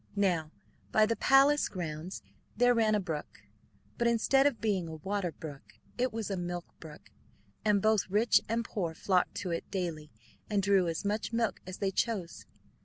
Now by the palace grounds there ran a brook, but instead of being a water brook it was a milk brook, and both rich and poor flocked to it daily and drew as much milk as they chose.